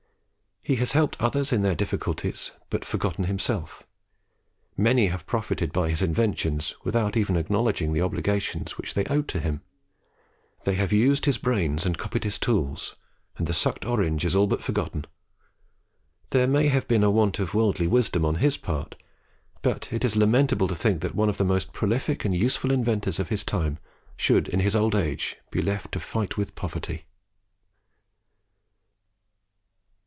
He has helped others in their difficulties, but forgotten himself. Many have profited by his inventions, without even acknowledging the obligations which they owed to him. They have used his brains and copied his tools, and the "sucked orange" is all but forgotten. There may have been a want of worldly wisdom on his part, but it is lamentable to think that one of the most prolific and useful inventors of his time should in his old age be left to fight with poverty.